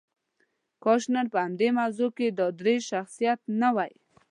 کاش نن په دې موضوع کې دا درې شخصیات نه وای.